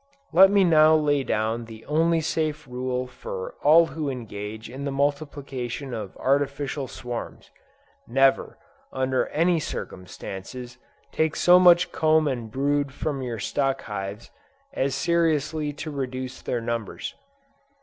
Let me now lay down the only safe rule for all who engage in the multiplication of artificial swarms. Never, under any circumstances, take so much comb and brood from your stock hives, as seriously to reduce their numbers.